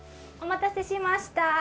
お待たせしました。